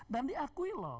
dan diakui loh